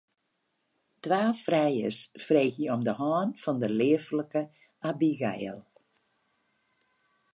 Twa frijers freegje om de hân fan de leaflike Abigail.